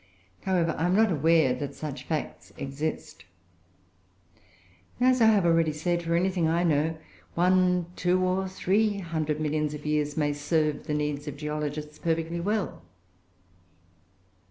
However, I am not aware that such facts exist. As I have already said, for anything I know, one, two, or three hundred millions of years may serve the needs of geologists perfectly well.